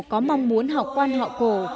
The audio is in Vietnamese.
có mong muốn học quan họ cổ